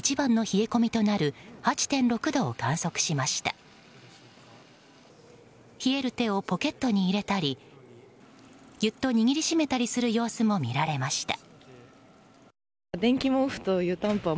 冷える手をポケットに入れたりぎゅっと握りしめたりする様子も見られました。